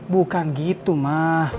bukan gitu ma